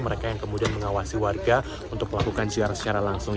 mereka yang kemudian mengawasi warga untuk melakukan siaran secara langsung